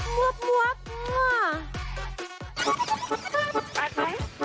มวบมวบมวบ